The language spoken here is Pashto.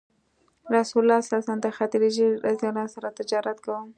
رسول الله ﷺ د خدیجې رض سره تجارت کاوه.